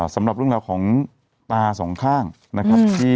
สำหรับเรื่องราวของตาสองข้างนะครับ